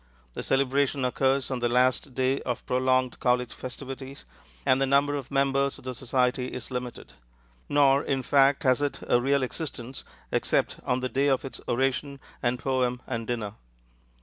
The celebration occurs on the last day of prolonged college festivities, and the number of members of the society is limited; nor, in fact, has it a real existence except on the day of its oration and poem and dinner.